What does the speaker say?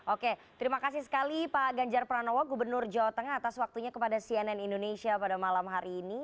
oke terima kasih sekali pak ganjar pranowo gubernur jawa tengah atas waktunya kepada cnn indonesia pada malam hari ini